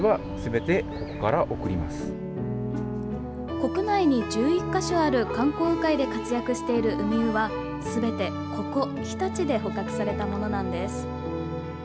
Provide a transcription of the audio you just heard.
国内に１１か所ある観光鵜飼いで活躍しているウミウはすべて、ここ日立で捕獲されたものなんです。